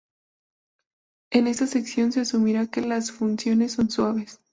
En esta sección, se asumirá que las funciones son suaves.